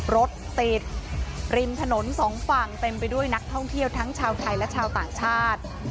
รถติดริมถนนสองฝั่งเต็มไปด้วยนักท่องเที่ยวทั้งชาวไทยและชาวต่างชาติ